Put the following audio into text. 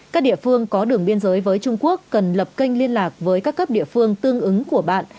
các địa phương có đường biên giới với trung quốc cần lập kênh liên lạc với các cấp địa phương tương ứng của bạn